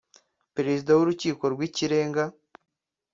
Perezida w’Urukiko rw’Ikirenga